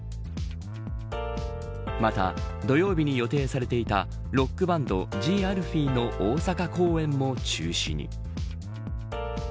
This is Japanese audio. また、土曜日に予定されていたロックバンドＴＨＥＡＬＦＥＥの大阪公演も中止に。